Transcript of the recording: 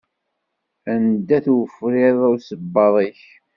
Anda-t ufriḍ usebbaḍ-ik?